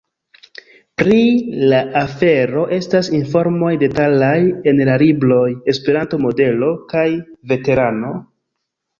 Pri la afero estas informoj detalaj en la libroj ‘’Esperanto Modelo’’ kaj ‘’Veterano?’’.